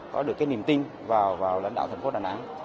có được cái niềm tin vào vào lãnh đạo thành phố đà nẵng